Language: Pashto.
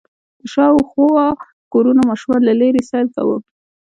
د شاوخوا کورونو ماشومانو له لېرې سيل کوه.